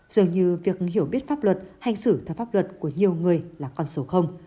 dường như việc hiểu biết pháp luật hành xử theo pháp luật của nhiều người là con số không